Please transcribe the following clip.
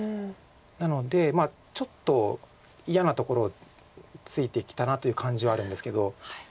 なのでちょっと嫌なところをついてきたなという感じはあるんですけど。